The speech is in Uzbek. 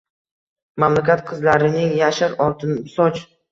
Mamlakat, qizlaring yashir oltinsoch —